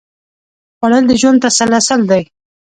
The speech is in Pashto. خوړل د ژوند تسلسل دی